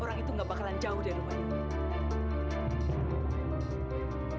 orang itu gak bakalan jauh dari rumah ini